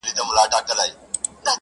لـكــه دی لـــونــــــگ,